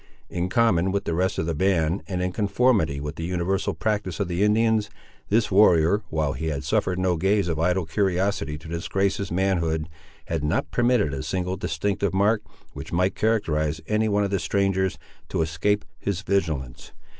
In common with the rest of the band, and in conformity with the universal practice of the Indians, this warrior, while he had suffered no gaze of idle curiosity to disgrace his manhood, had not permitted a single distinctive mark, which might characterise any one of the strangers, to escape his vigilance.